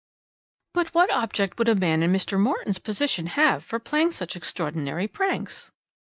"But what object would a man in Mr. Morton's position have for playing such extraordinary pranks?"